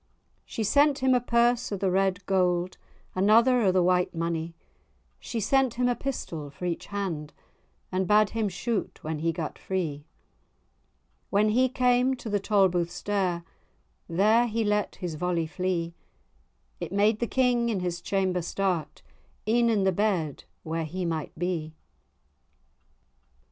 She sent him a purse of the red gowd, Another o' the white monie; She sent him a pistol for each hand, And bade him shoot when he gat free. When he came to the Tolbooth stair, There he let his volley flee; It made the King in his chamber start, E'en in the bed where he might be.